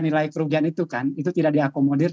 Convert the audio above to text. nilai kerugian itu kan itu tidak diakomodir